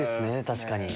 確かに。